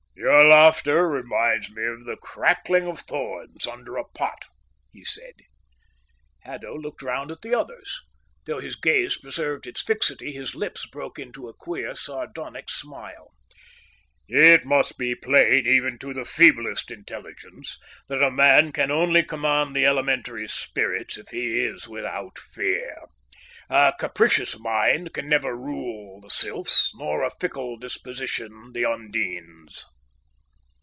"Your laughter reminds me of the crackling of thorns under a pot," he said. Haddo looked round at the others. Though his gaze preserved its fixity, his lips broke into a queer, sardonic smile. "It must be plain even to the feeblest intelligence that a man can only command the elementary spirits if he is without fear. A capricious mind can never rule the sylphs, nor a fickle disposition the undines."